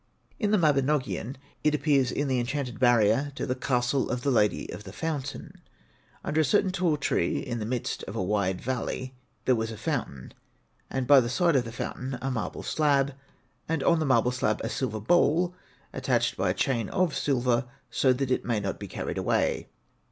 In the 'Mabinogion' it appears in the enchanted barrier to the Castle of the Lady of the Fountain. Under a certain tall tree in the midst of a wide valley there was a fountain, 'and by the side of the fountain a marble slab, and on the marble slab a silver bowl, attached by a chain of silver, so that it may not be carried away.